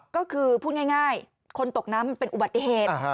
ก็คือพูดง่ายคนตกน้ำมันเป็นอุบัติเหตุ